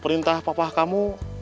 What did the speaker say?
perintah papa kamu